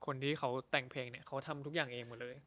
คนที่เขาแต่งเพลงเนี่ยเขาทำทุกอย่างเองหมดเลย